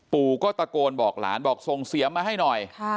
ปู่ก็ตะโกนบอกหลานบอกส่งเสียมาให้หน่อย